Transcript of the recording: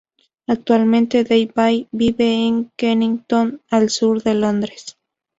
Actualmente, Dave Ball vive en Kennington, al sur de Londres.